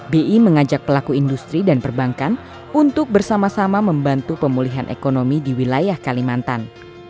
bi mengajak pelaku industri dan perbankan untuk bersama sama membantu pemulihan ekonomi di wilayah kalimantan